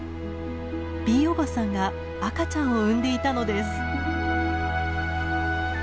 Ｂおばさんが赤ちゃんを産んでいたのです。